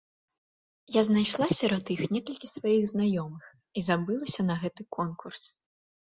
Я знайшла сярод іх некалькі сваіх знаёмых і забылася на гэты конкурс.